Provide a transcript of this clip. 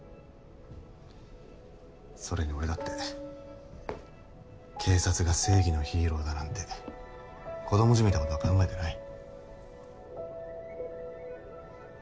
それに俺だって警察が正義のヒーローだなんて子供じみたことは考えてない。